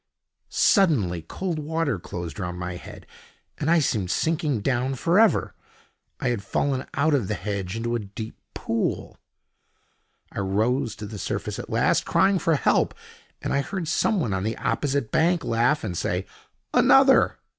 Suddenly cold water closed round my head, and I seemed sinking down for ever. I had fallen out of the hedge into a deep pool. I rose to the surface at last, crying for help, and I heard someone on the opposite bank laugh and say: "Another!"